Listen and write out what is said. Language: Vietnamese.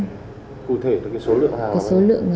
cụ thể là cái số lượng hàng hả